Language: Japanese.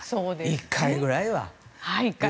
１回くらいは。